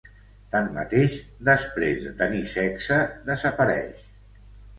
Tanmateix, després de tenir sexe, desapareix.